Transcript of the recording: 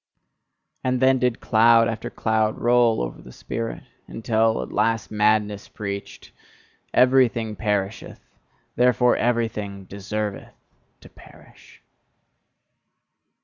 And then did cloud after cloud roll over the spirit, until at last madness preached: "Everything perisheth, therefore everything deserveth to perish!"